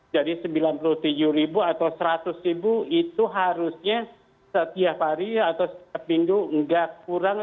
jadi sembilan puluh tujuh ribu atau seratus ribu itu harusnya setiap hari atau setiap minggu tidak kurang